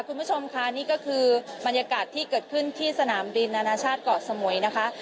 คุณผู้ชมค่ะนี่ก็คือบรรยากาศที่เกิดขึ้นที่สนามบินนานาชาติเกาะสมุยนะคะ